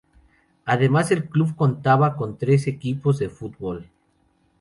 Además el club contaba con tres equipos de fútbol.